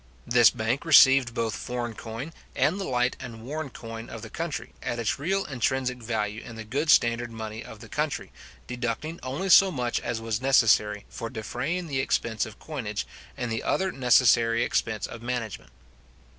This bank received both foreign coin, and the light and worn coin of the country, at its real intrinsic value in the good standard money of the country, deducting only so much as was necessary for defraying the expense of coinage and the other necessary expense of management.